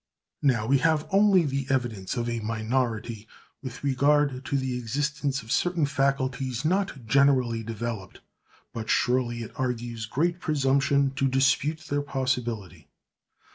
Now, we have only the evidence of a minority with regard to the existence of certain faculties not generally developed, but surely it argues great presumption to dispute their possibility.